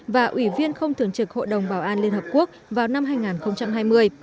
và ủy viên không thường trực hội đồng bảo an liên hợp quốc vào năm hai nghìn hai mươi